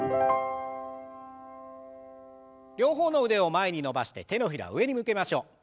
両方の腕を前に伸ばして手のひらを上に向けましょう。